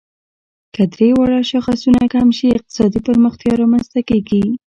که درې واړه شاخصونه کم شي، اقتصادي پرمختیا رامنځ ته کیږي.